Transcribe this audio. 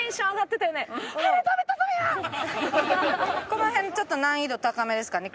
この辺ちょっと難易度高めですかね。